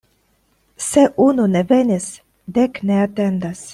Se unu ne venis, dek ne atendas.